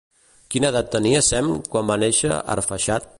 Quina edat tenia Sem quan va néixer Arfaxad?